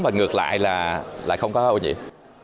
và ngược lại là không có ô nhiễm